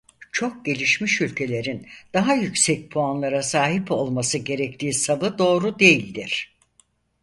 Çok gelişmiş ülkelerin daha yüksek puanlara sahip olması gerektiği savı doğru değildir.